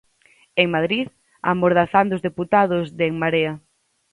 En Madrid, amordazando os deputados de En Marea.